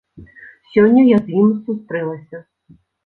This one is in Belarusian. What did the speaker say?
Сёння я з ім сустрэлася.